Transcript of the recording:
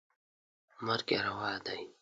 مرګ یې روا دی.